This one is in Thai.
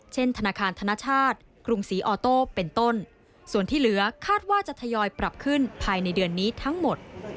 ธนาคารธนชาติกรุงศรีออโต้เป็นต้นส่วนที่เหลือคาดว่าจะทยอยปรับขึ้นภายในเดือนนี้ทั้งหมด